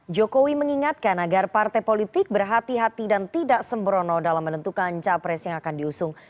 jokowi mengingatkan agar partai politik berhati hati dan tidak sembrono dalam menentukan capres yang akan diusung